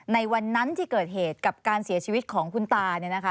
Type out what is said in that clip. ในวันนั้นที่เกิดเหตุกับการเสียชีวิตของคุณตา